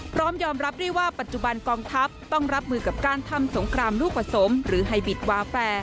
พร้อมยอมรับด้วยว่าปัจจุบันกองทัพต้องรับมือกับการทำสงครามลูกผสมหรือไฮบิตวาแฟร์